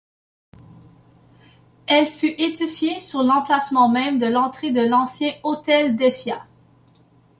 Elle fut édifiée sur l'emplacement même de l'entrée de l'ancien Hôtel d'Effiat.